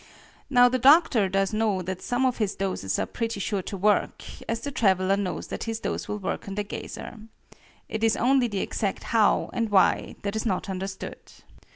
Now the doctor does know that some of his doses are pretty sure to work, as the traveler knows that his dose will work on the geyser. It is only the exact how and why that is not understood.